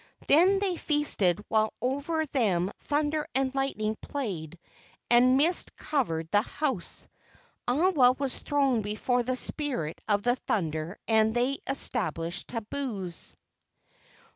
Then they feasted while over them thunder and lightning played and mist covered the house. Awa was thrown before the spirit of the thunder and they established tabus.